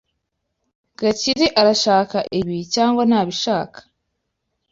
Gakire arashaka ibi cyangwa ntabishaka?